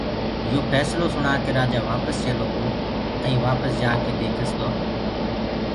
يو ڦيسلو سڻآ ڪي رآجآ وآپس چيلو گو ائين وآپس جآڪي ديکس تو